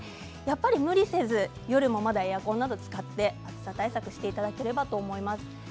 無理せず夜もまだエアコンなどを使って暑さ対策していただければと思います。